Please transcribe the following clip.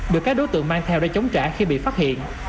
được các đối tượng mang theo để chống trả khi bị phát hiện